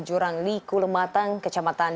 jurang liku lematang kecamatan